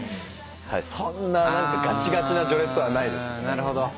そんな何かガチガチな序列はないですね。